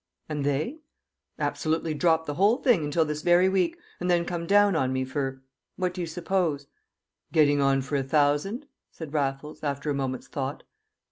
"And they?" "Absolutely drop the whole thing until this very week, and then come down on me for what do you suppose?" "Getting on for a thousand," said Raffles after a moment's thought.